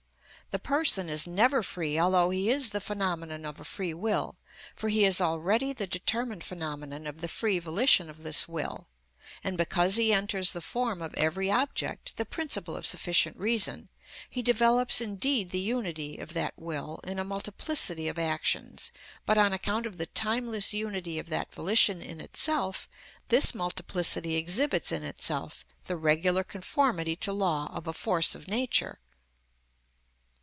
The person is never free although he is the phenomenon of a free will; for he is already the determined phenomenon of the free volition of this will, and, because he enters the form of every object, the principle of sufficient reason, he develops indeed the unity of that will in a multiplicity of actions, but on account of the timeless unity of that volition in itself, this multiplicity exhibits in itself the regular conformity to law of a force of Nature.